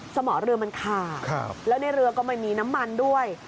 สมองเรือมันขาดแล้วในเรือก็ไม่มีน้ำมันด้วย